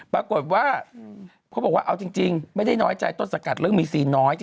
ปรากฏว่าเขาบอกว่าเอาจริงไม่ได้น้อยใจต้นสังกัดเรื่องมีซีนน้อย